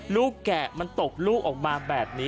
แกะมันตกลูกออกมาแบบนี้